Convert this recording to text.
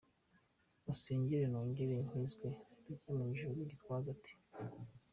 … Munsengere nongere nkizwe tujyane mu ijuru” Gitwaza ati: .